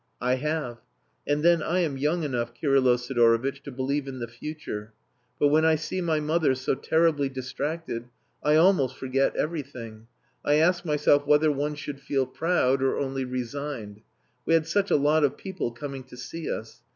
"I have. And then I am young enough, Kirylo Sidorovitch, to believe in the future. But when I see my mother so terribly distracted, I almost forget everything. I ask myself whether one should feel proud or only resigned. We had such a lot of people coming to see us.